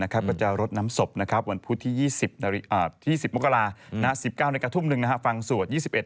ก็จะรดน้ำศพนะครับวันพุธที่๒๐มกรา๑๙นทุ่ม๑ฟังสวด